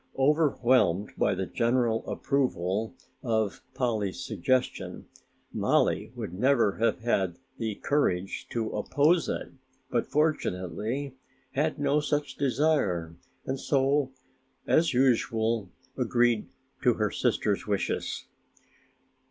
Overwhelmed by the general approval of Polly's suggestion, Mollie would never have had the courage to oppose it, but fortunately had no such desire and so as usual agreed to her sister's wishes.